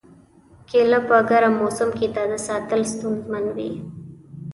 کېله په ګرم موسم کې تازه ساتل ستونزمن وي.